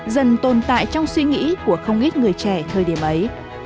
dần tồn tại trong suy nghĩ của không ít người trẻ thời điểm ấy